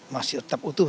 masih tetap utuh